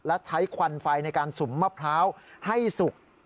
และใช้ควันไฟในการสุมมะพร้าวให้สุก